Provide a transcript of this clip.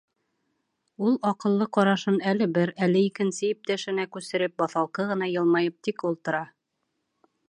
Ул, аҡыллы ҡарашын әле бер, әле икенсе иптәшенә күсереп, баҫалҡы ғына йылмайып тик ултыра.